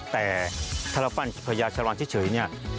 แต่ถ้าเราปั้นพญาชาวรรณเท่าเฉยนี่